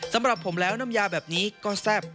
สำหรับผมแล้วน้ำยาแบบนี้ก็แซ่บ